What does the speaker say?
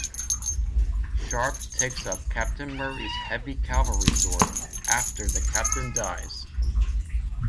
Sharpe takes up Captain Murray's heavy cavalry sword after the Captain dies.